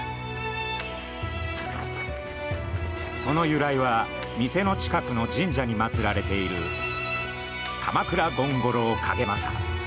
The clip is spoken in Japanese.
その由来は店の近くの神社に祭られている鎌倉権五郎景政。